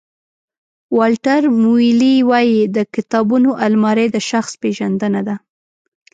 والټر مویلي وایي د کتابونو المارۍ د شخص پېژندنه ده.